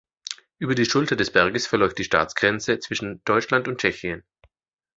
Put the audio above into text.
Über die Schulter des Berges verläuft die Staatsgrenze zwischen Deutschland und Tschechien.